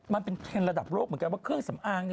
มันเป็นเทรนด์ระดับโลกเหมือนกันว่าเครื่องสำอาง